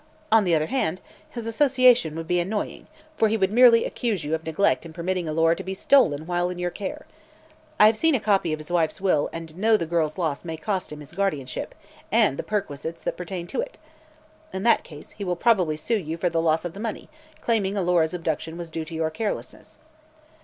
On the other hand, his association would be annoying, for he would merely accuse you of neglect in permitting Alora to be stolen while in your care. I have seen a copy of his wife's will and know that the girl's loss may cost him his guardianship and the perquisites that pertain to it. In that case he will probably sue you for the loss of the money, claiming Alora's abduction was due to your carelessness."